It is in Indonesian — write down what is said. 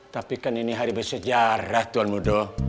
tapi kan ini hari bersejarah tuhan muda